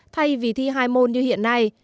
thay vì thi hai môn như hiện nay